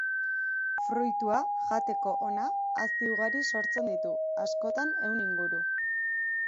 Fruitua, jateko ona, hazi ugari sortzen ditu, askotan ehun inguru.